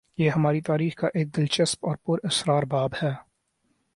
یہ ہماری تاریخ کا ایک دلچسپ اور پر اسرار باب ہے۔